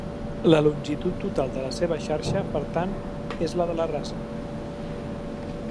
La longitud total de la seva xarxa, per tant, és la de la rasa.